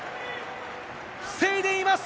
防いでいます！